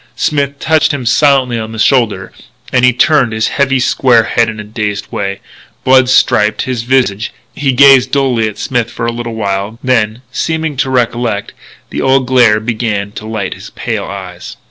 Smith touched him silently on the shoulder and he turned his heavy, square head in a dazed way. Blood striped his visage. He gazed dully at Smith for a little while, then, seeming to recollect, the old glare began to light his pale eyes.